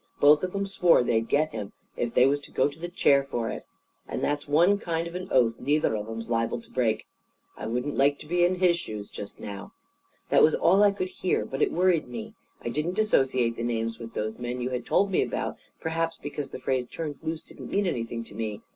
Both of 'em swore they'd get him, if they was to go to the chair for it. And that's one kind of an oath neither of 'em's liable to break. I wouldn't like to be in his shoes just now!' That was all I could hear. But it worried me. I didn't associate the names with those men you had told me about. Perhaps because the phrase 'turned loose' didn't mean anything to me.